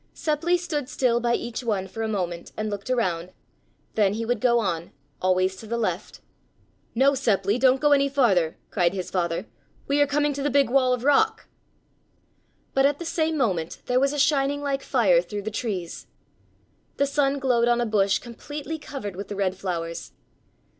Seppli stood still by each one for a moment and looked around, then he would go on, always to the left. "No, Seppli, don't go any farther," cried his father. "We are coming to the big wall of rock." But at the same moment there was a shining like fire through the trees. The sun glowed on a bush completely covered with the red flowers.